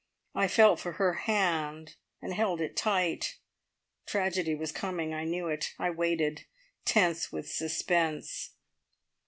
I felt for her hand and held it tight? Tragedy was coming; I knew it. I waited, tense with suspense.